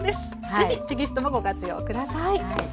是非テキストもご活用下さい。